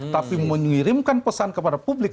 tapi mengirimkan pesan kepada publik